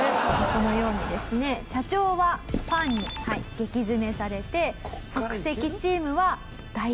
このようにですね社長はファンに激詰めされて即席チームは大惨敗。